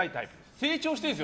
成長しているんですよ